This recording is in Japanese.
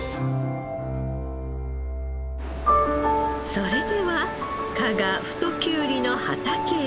それでは加賀太きゅうりの畑へ。